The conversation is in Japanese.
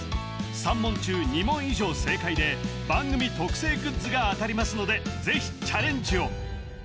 ３問中２問以上正解で番組特製グッズが当たりますのでぜひチャレンジを！